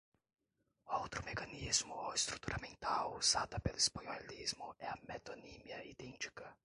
Outro mecanismo ou estrutura mental usada pelo espanholismo é a metonímia idêntica.